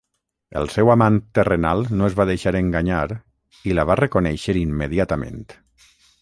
El seu amant terrenal no es va deixar enganyar i la va reconèixer immediatament.